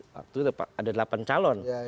waktu itu ada delapan calon